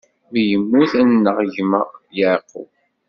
Mi yemmut, ad nɣeɣ gma Yeɛqub.